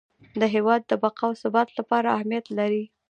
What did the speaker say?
د هیواد بقا او ثبات لپاره اهمیت لري.